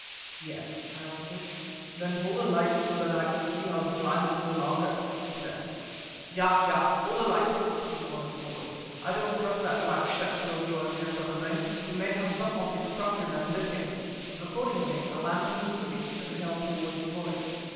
"Yes," I answered. "Then hold a light so that I can see how to climb into the laager," he said. "Yah! yah! hold a light," put in one of the Boers. "I don't trust that black schepsel of yours, Heer Quatermain; he may have some of his countrymen with him." Accordingly a lantern was produced and held towards the voice.